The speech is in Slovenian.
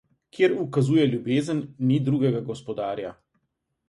Kjer ukazuje ljubezen, ni drugega gospodarja.